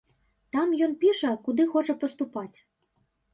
Там ён піша, куды хоча паступаць.